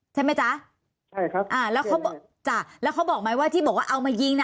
ใช่ไหมจ๊ะใช่ครับอ่าแล้วเขาบอกจ้ะแล้วเขาบอกไหมว่าที่บอกว่าเอามายิงน่ะ